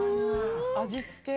味付け。